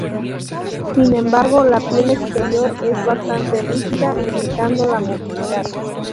Sin embargo la piel exterior es bastante rígida, limitando la movilidad.